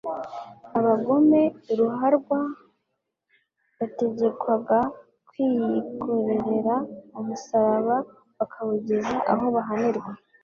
abagome ruharwa, bategekwaga kwiyikorerera umusaraba bakawugeza aho bahanirwa,